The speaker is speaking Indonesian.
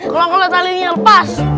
kalau nggak talinya lepas